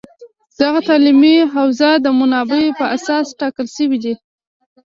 دغه تعلیمي حوزه د منابعو په اساس ټاکل شوې ده